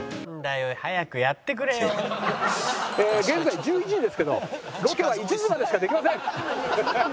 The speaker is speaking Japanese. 現在１１時ですけどロケは１時までしかできません。